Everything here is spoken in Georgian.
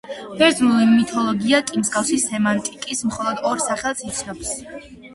ბერძნული მითოლოგია კი მსგავსი სემანტიკის მხოლოდ ორ სახელს იცნობს.